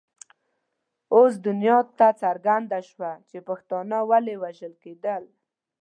اوس دنیا ته څرګنده شوه چې پښتانه ولې وژل کېدل.